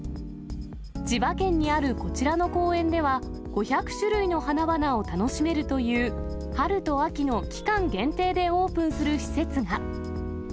千葉県にあるこちらの公園では、５００種類の花々を楽しめるという春と秋の期間限定でオープンする施設が。